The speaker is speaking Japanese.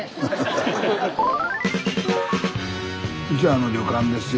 あの旅館ですよ。